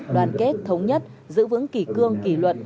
đoàn kết thống nhất giữ vững kỷ cương kỷ luật